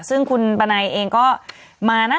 ซึ่งคุณปะไนเองก็มานะ